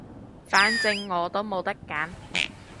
反正我都冇得揀